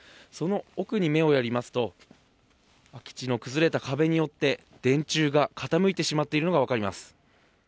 その奥に目をやりますと空き地の崩れた壁によって電柱が傾いてしまっているのが分かります。